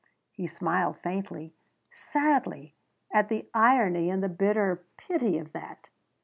He smiled faintly, sadly, at the irony and the bitter pity of that.